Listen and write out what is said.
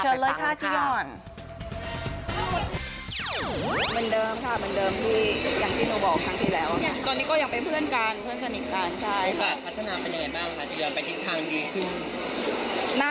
เชิญเลยค่ะจียอน